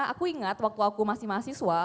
aku ingat waktu aku masih mahasiswa